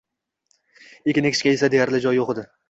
Ekin ekishga esa deyarli joy yoʻq edi.